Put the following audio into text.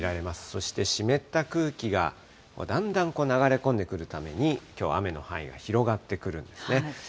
そして湿った空気がだんだん流れ込んでくるために、きょう、雨の範囲が広がってくるんですね。